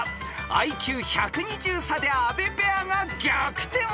［ＩＱ１２０差で阿部ペアが逆転を狙う］